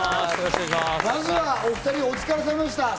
まずはお２人、お疲れさまでした。